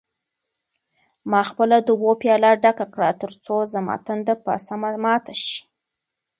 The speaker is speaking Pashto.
ما خپله د اوبو پیاله ډکه کړه ترڅو زما تنده په سمه ماته شي.